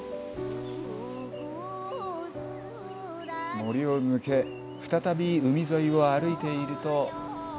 森を抜け、再び海沿いを歩いていると。